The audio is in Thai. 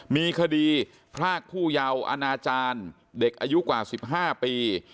มีคดีพรากผู้เยาว์อนาจารย์เด็กอายุกว่า๑๕ปี